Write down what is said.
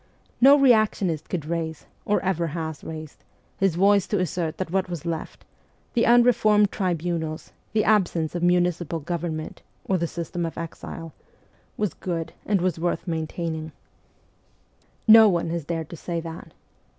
No reactionist could raise, or ever has raised, his voice to assert that what was left the unreformed tribunals, the absence of municipal government, or the system of exile was good and was worth maintaining : no one has dared to 214 MEMOIRS OF A REVOLUTIONIST say that.